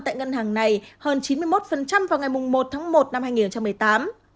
tại ngân hàng này hơn chín mươi một vào ngày một tháng một năm hai nghìn một mươi tám